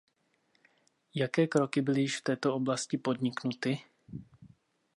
Jaké kroky byly již v této oblasti podniknuty?